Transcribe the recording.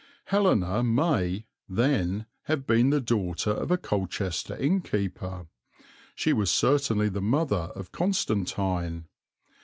Helena may, then, have been the daughter of a Colchester innkeeper, she was certainly the mother of Constantine.